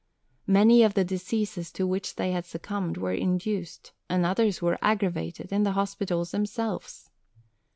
Many of the diseases to which they had succumbed were induced, and others were aggravated, in the hospitals themselves.